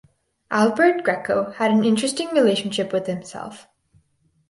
Alberto Greco had an interesting relationship with himself.